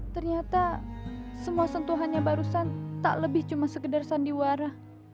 ternyata semua sentuhannya barusan tak lebih cuma sekedar sandiwara